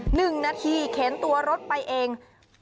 หนึ่งนาทีเข็นตัวรถไปเอง